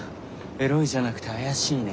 「エロい」じゃなくて「怪しい」ね。